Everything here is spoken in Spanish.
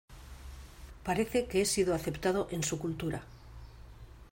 Parece que he sido aceptado en su cultura.